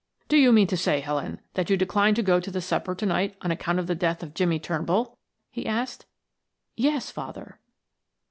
"Do you mean to say, Helen, that you decline to go to the supper to night on account of the death of Jimmie 'Turnbull?" he asked. "Yes, father."